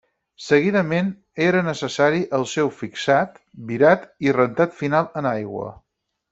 Seguidament era necessari el seu fixat, virat i rentat final en aigua.